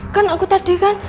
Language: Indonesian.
kan aku tadi kan